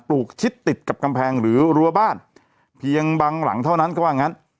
ปลูกชิดติดกับกำแพงหรือรัวบ้านเพียงบังหลังเท่านั้น